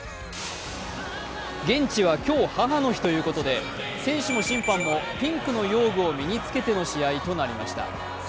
現地は今日母の日ということで選手も審判もピンクの用具を身に着けての試合となりました。